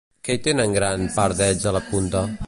Què hi tenen gran part d'ells a la punta?